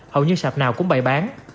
hầu như sạp nào cũng bày bán